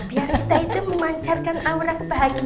biar kita itu memancarkan aura kebahagiaan